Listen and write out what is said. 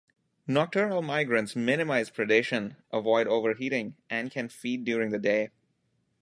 Nocturnal migrants minimize predation, avoid overheating, and can feed during the day.